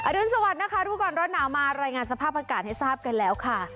อรึณสวัสดิ์นะคะพวกกอนรถหนาวมารายงานสภาพอาการให้ทราบกันแล้วคะ